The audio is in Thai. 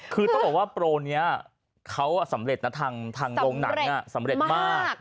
คือต้องบอกว่าโปรนี้เขาสำเร็จนะทางโรงหนังสำเร็จมาก